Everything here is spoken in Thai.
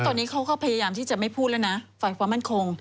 ตอนนี้เขาก็พยายามที่จะไม่พูดแล้วนะฝ่ายความมั่นคง